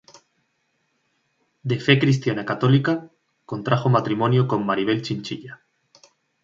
De fe cristiana católica, contrajo matrimonio con Maribel Chinchilla.